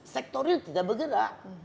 sektor real tidak bergerak